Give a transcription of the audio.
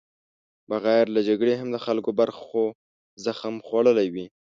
بغیر له جګړې هم د خلکو برخو زخم خوړلی وي.